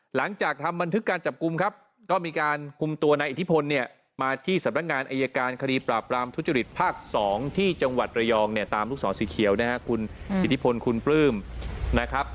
หลังจากทำบันทึกการจับกลุ่มครับก็มีการคุมตัวนายอิทธิพลเนี่ยมาที่สำนักงานอายการคดีปราบรามทุจริตภาค๒ที่จังหวัดระยองเนี่ยตามลูกศรสีเขียวนะฮะคุณอิทธิพลคุณปลื้มนะครับ